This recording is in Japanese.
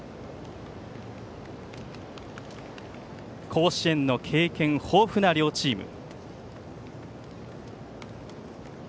甲子園の経験豊富な両チーム。